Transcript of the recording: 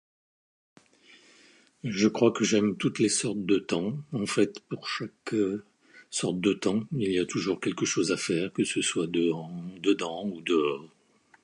Je crois que j'aime toutes les sortes de temps. En fait, pour chaque sorte de temps, il y a toujours quelque chose à faire que ce soit dedans ou dehors.